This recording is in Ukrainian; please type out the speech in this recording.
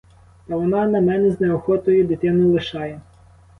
Та вона на мене з неохотою дитину лишає.